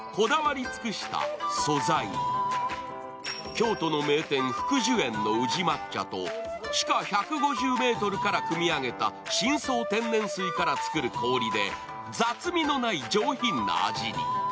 京都の名店、福寿園の宇治抹茶と地下１５０ｍからくみ上げた深層天然水から作る氷で雑味のない上品な味に。